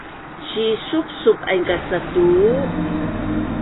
Sisupsup aingka satuu